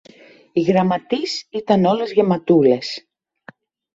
οι γραμματείς ήταν όλες γεματούλες